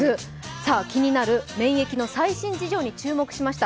さあ、気になる免疫の最新事情に注目しました。